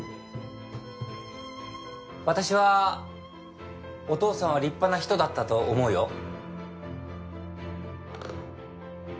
私はお父さんは立派な人だったと思うよ。